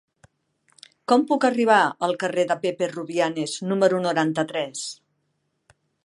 Com puc arribar al carrer de Pepe Rubianes número noranta-tres?